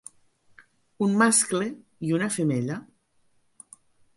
Un mascle i una femella.